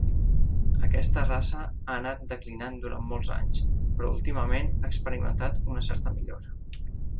Aquesta raça ha anat declinant durant molts anys, però últimament ha experimentat una certa millora.